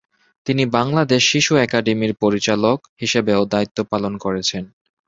তিনি বাংলাদেশ শিশু একাডেমির পরিচালক হিসেবেও দায়িত্ব পালন করেছেন।